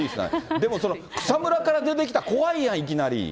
でも、草むらから出てきたら怖いやん、いきなり。